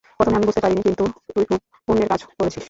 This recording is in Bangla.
প্রথমে আমি বুঝতে পারিনি, কিন্তু তুই খুব পূন্যের কাজ করেছিস।